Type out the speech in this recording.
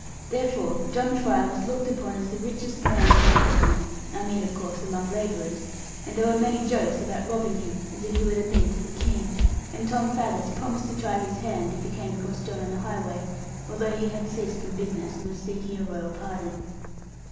Therefore John Fry was looked upon as the richest man upon Exmoor, I mean of course among labourers, and there were many jokes about robbing him, as if he were the mint of the King; and Tom Faggus promised to try his hand, if he came across John on the highway, although he had ceased from business, and was seeking a Royal pardon.